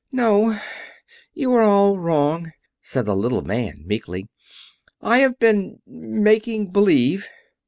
"No, you are all wrong," said the little man meekly. "I have been making believe."